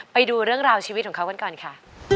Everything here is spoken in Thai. ไปดูเรื่องราวชีวิตของเขากันก่อนค่ะ